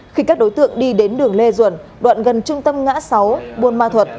khi các đối tượng đi đến đường lê duẩn đoạn gần trung tâm ngã sáu bồ mạ thuật